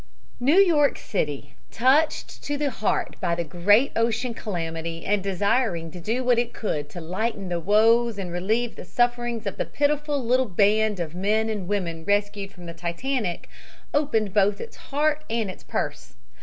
NEW YORK CITY, touched to the heart by the great ocean calamity and desiring to do what it could to lighten the woes and relieve the sufferings of the pitiful little band of men and women rescued from the Titanic, opened both its heart and its purse.